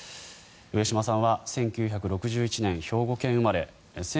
上島さんは１９６１年、兵庫県生まれ。